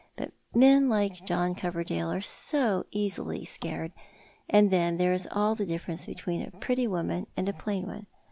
But men like John Coverdale are so easily scared; and then there is all the difference between a pretty woman and a plain one.